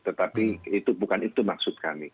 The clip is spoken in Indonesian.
tetapi itu bukan itu maksud kami